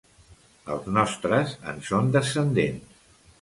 Els nostres en són descendents.